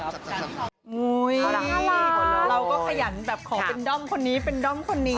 เราก็ขยันแบบของเป็นด้อมคนนี้เป็นด้อมคนนี้